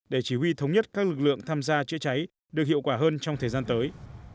để chỉ huy thống nhất các lực lượng tham gia chữa cháy được hiệu quả hơn trong thời gian tới